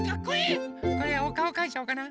これおかおかいちゃおうかな？